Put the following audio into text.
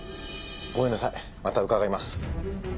ごめんなさいまた伺います。